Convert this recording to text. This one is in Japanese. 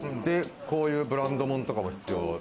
こういうブランドものも必要。